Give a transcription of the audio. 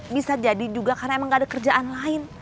bisa jadi juga karena emang gak ada kerjaan lain